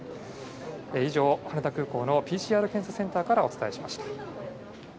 以上、羽田空港のＰＣＲ検査センターからお伝えしました。